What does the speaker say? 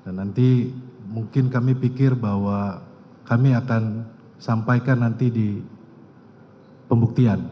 dan nanti mungkin kami pikir bahwa kami akan sampaikan nanti di pembuktian